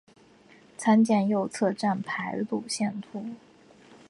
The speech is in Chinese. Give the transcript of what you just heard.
参见右侧站牌路线图。